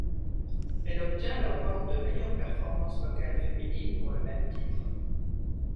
Elle obtient l'Award de meilleure performance vocale féminine pour le même titre.